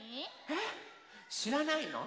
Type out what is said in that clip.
えっ？しらないの？